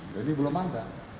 jadi belum ada